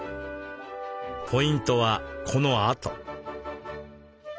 ポイントはこのあと。